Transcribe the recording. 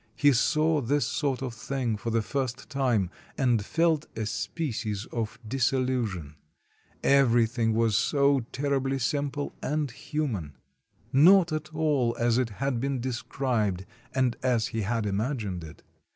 He saw this sort of thing for the first time, and felt a species of disillusion. Every thing was so terribly simple and human; not at all as it had been described and as he had imagined it.